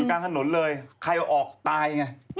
อยู่กลางถนนเลยใครออกตายไง